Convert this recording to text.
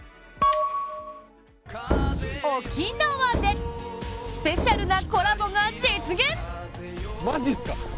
沖縄で、スペシャルなコラボが実現。